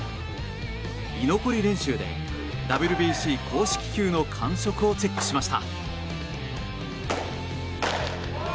居残り練習でＷＢＣ公式球の感触をチェックしました。